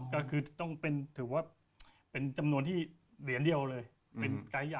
ก็คือจะต้องเป็นจำนวนที่เหรียญเดียวเลย